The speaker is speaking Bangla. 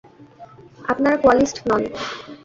আপনারা কোয়ালিস্ট নন।